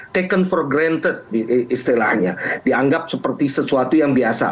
taken for granted istilahnya dianggap seperti sesuatu yang biasa